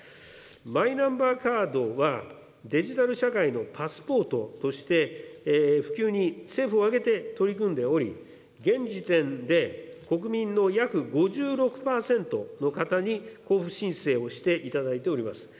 マイナンバーカードは、デジタル社会のパスポートとして普及に政府を挙げて取り組んでおり、現時点で国民の約５６％の方に交付申請をしていただいております。